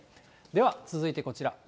では、続いてこちら。